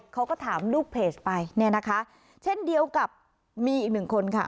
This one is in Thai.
เขาก็ถามลูกเพจไปเนี่ยนะคะเช่นเดียวกับมีอีกหนึ่งคนค่ะ